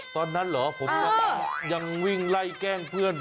ตอนนั้นเหรอผมยังวิ่งไล่แกล้งเพื่อน